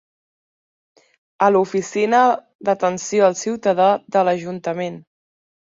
A l'Oficina d'Atenció al Ciutadà de l'Ajuntament.